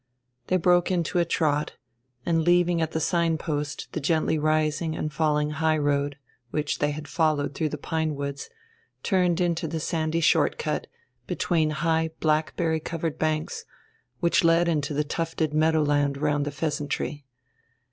They broke into a trot, and, leaving at the sign post the gently rising and falling high road, which they had followed through the pine woods, turned into the sandy short cut, between high blackberry covered banks, which led into the tufted meadow land round the "Pheasantry."